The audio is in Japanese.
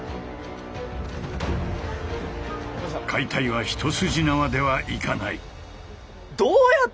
解体は一筋縄ではいかない。